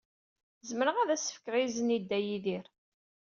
Zemreɣ ad as-fkeɣ izen i Dda Yidir.